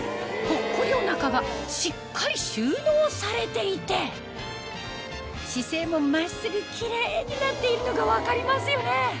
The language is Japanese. ポッコリお腹がしっかり収納されていて姿勢も真っすぐキレイになっているのが分かりますよね